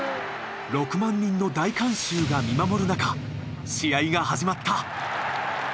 ６万人の大観衆が見守る中試合が始まった。